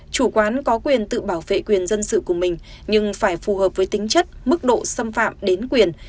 chủ quán có quyền tự bảo vệ quyền dân sự của mình nhưng phải phù hợp với tính chất mức độ xâm phạm đến quyền